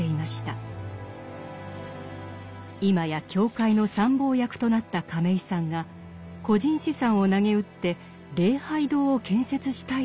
今や教会の参謀役となった亀井さんが個人資産をなげうって礼拝堂を建設したいと言うのです。